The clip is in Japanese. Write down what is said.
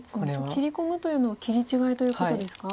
切り込むというのは切り違いということですか？